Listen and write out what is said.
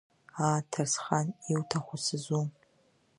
Аа, Ҭарсхан, иуҭаху сызу!